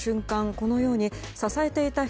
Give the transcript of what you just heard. このように支えていた人